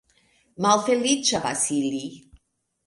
Malfeliĉa Vasili!